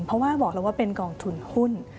เพราะว่าบอกแล้วว่าเป็นกองทุนหุ้น